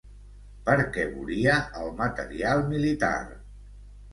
Per què volia el material militar?